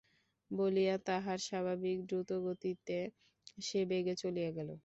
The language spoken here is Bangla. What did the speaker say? বলিয়া তাহার স্বাভাবিক দ্রুতগতিতে সে বেগে চলিয়া গেল।